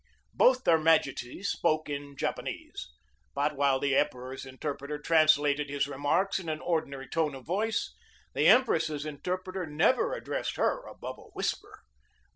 Both their Majesties spoke in Japanese. But while the Emperor's interpreter translated his re marks in an ordinary tone of voice, the Empress's interpreter never addressed her above a whisper.